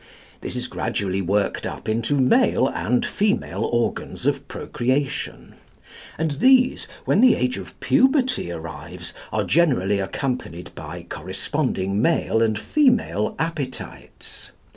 This is gradually worked up into male and female organs of procreation; and these, when the age of puberty arrives, are generally accompanied by corresponding male and female appetites.